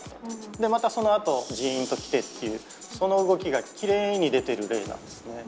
でまたそのあとジンときてっていうその動きがきれいに出てる例なんですね。